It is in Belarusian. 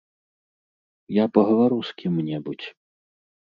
Я пагавару з кім-небудзь.